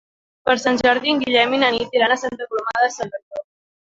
Per Sant Jordi en Guillem i na Nit iran a Santa Coloma de Cervelló.